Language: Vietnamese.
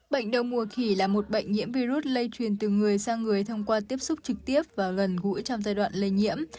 bệnh đầu mùa khỉ là một bệnh nhiễm virus lây truyền từ người sang người thông qua tiếp xúc trực tiếp và gần gũi trong giai đoạn lây nhiễm